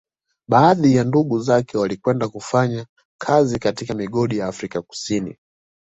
Baadhi ya ndugu zake walikwenda kufanya kazi katika migodi ya Afrika Kusini